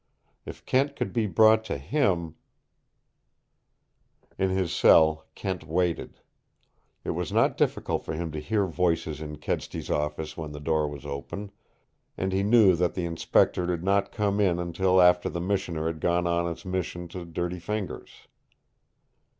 If Kent could be brought to him In his cell Kent waited. It was not difficult for him to hear voices in Kedsty's office when the door was open, and he knew that the Inspector did not come in until after the missioner had gone on his mission to Dirty Fingers.